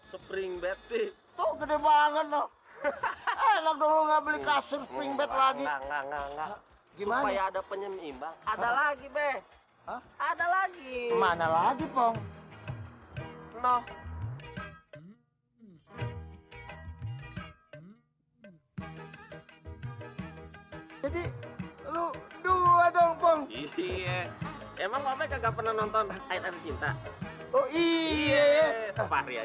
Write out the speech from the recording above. hai gede lu dulu ada aksi yes emang pagan nonton air cinta oh iya